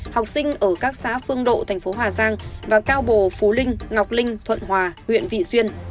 học sinh ở các xã phương độ tp hcm và cao bồ phú linh ngọc linh thuận hòa huyện vị duyên